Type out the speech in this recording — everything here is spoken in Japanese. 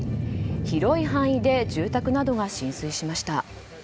広い範囲で住宅などが浸水しました。